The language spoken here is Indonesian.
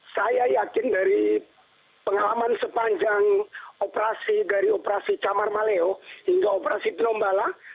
saya yakin dari pengalaman sepanjang operasi dari operasi camar maleo hingga operasi tinombala